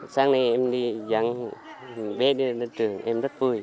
sáng nay em đi dặn bé đi lên trường em rất vui